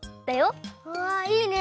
うわいいね！